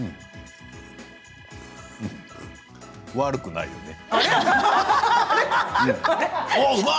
悪くないよね。